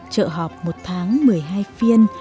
chợ họp một tháng một mươi hai phiên